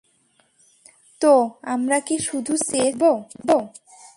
তো, আমরা কি শুধু চেয়ে চেয়ে দেখবো?